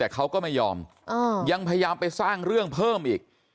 แต่เขาก็ไม่ยอมยังพยายามไปสร้างเรื่องเพิ่มอีก